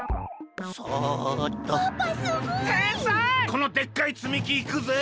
このでっかいつみきいくぜ！